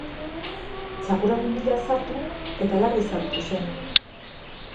Txakurraren bila sartu eta larri zauritu zen.